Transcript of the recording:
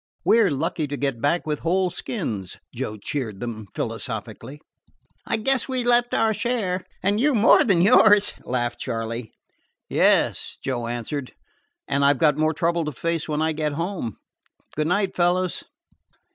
"We 're lucky to get back with whole skins," Joe cheered them philosophically. "I guess we left our share, and you more than yours," laughed Charley. "Yes," Joe answered. "And I 've got more trouble to face when I get home. Good night, fellows."